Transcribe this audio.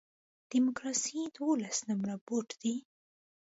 ډیموکراسي دولس نمره بوټ دی.